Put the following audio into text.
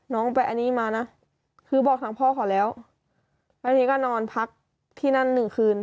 น้องไปอันนี้มานะคือบอกทางพ่อเขาแล้วแล้วทีนี้ก็นอนพักที่นั่นหนึ่งคืน